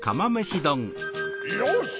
よし！